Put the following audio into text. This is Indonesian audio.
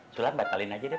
sulam batalin aja deh mak